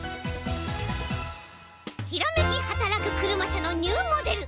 ひらめきはたらくクルマ社のニューモデル。